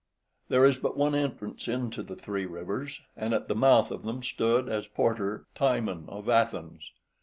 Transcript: There is but one entrance into the three rivers, and at the mouth of them stood, as porter, Timon of Athens.